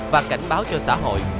và cảnh báo cho xã hội